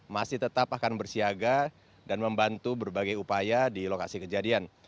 masih tetap akan bersiaga dan membantu berbagai upaya di lokasi kejadian